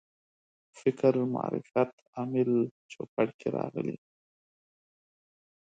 فکر معرفت عامل چوپړ کې راغلي.